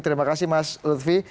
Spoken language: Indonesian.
terima kasih mas luthfi